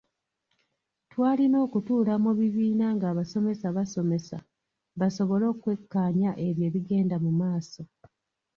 Twalina okutuula mu bibiina ng’abasomesa basomesa basobole okwekkaanya ebyo ebigenda mu maaso.